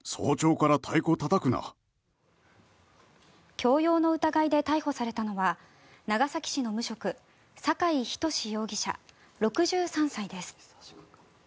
強要の疑いで逮捕されたのは長崎市の無職酒井仁容疑者、６３歳です。